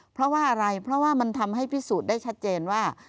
เพราะว่าอะไรเพราะว่ามันทำให้พิสูจน์ได้ชัดเจนว่า